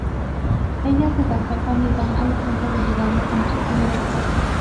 Ella se casó con Iván Alejandro de Bulgaria como su primera esposa.